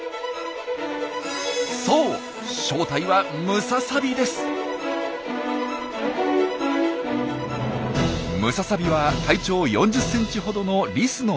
そう正体はムササビは体長４０センチほどのリスの仲間。